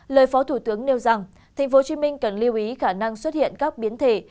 lời phó thủ tướng nêu rằng tp hcm cần lưu ý khả năng xuất hiện các biến thể